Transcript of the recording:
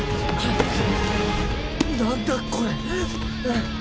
何だこれ。